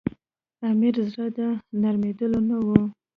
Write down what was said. امیر زړه د نرمېدلو نه وو.